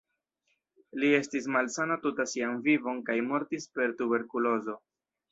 Li estis malsana tuta sian vivon kaj mortis per tuberkulozo.